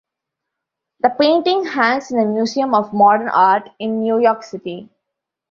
The painting hangs in the Museum of Modern Art in New York City.